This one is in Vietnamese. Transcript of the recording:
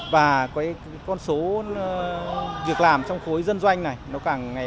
và có những con số doanh nghiệp tư nhân đã giải quyết một khối lượng việc làm rất lớn cho đông đảo người lao động trong nước